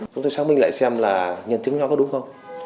chúng tôi xác minh lại xem là nhân chứng nó có đúng không